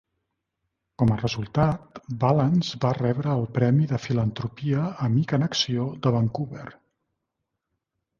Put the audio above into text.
Com a resultat, Vallance va rebre el premi de filantropia "Amic en acció" de Vancouver.